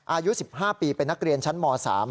อายุ๑๕ปีเป็นนักเรียนชั้นม๓